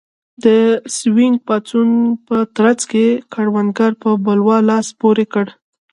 د سوینګ پاڅون په ترڅ کې کروندګرو په بلوا لاس پورې کړ.